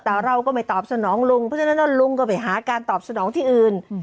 แต่เราก็ไม่ตอบสนองลุงเพราะฉะนั้นแล้วลุงก็ไปหาการตอบสนองที่อื่น